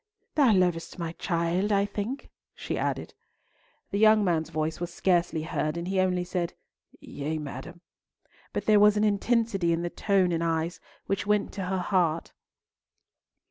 "Thou lovest my child, I think," she added. The young man's voice was scarcely heard, and he only said, "Yea, madam;" but there was an intensity in the tone and eyes which went to her heart.